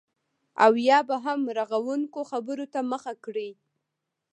او یا به هم رغونکو خبرو ته مخه کړي